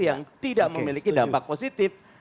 yang tidak memiliki dampak positif